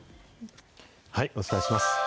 お伝えします。